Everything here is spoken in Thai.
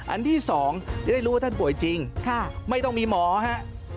อันที่๒จะได้รู้ว่าท่านป่วยจริงไม่ต้องมีหมอฮะ